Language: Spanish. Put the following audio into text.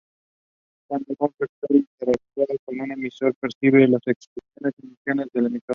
Cuando un receptor interactúa con un emisor, percibe las expresiones emocionales del emisor.